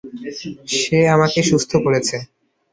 সে আমাকে সুস্থ করেছে।